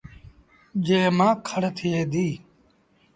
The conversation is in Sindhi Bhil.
جݩهݩ مآݩ کڙ ٿئي ديٚ